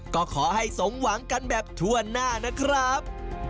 ก็ขอให้สมหวังกันแบบทั่วหน้านะครับ